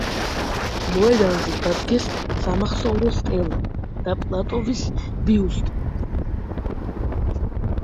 მოედანზე დადგეს სამახსოვრო სტელა და პლატოვის ბიუსტი.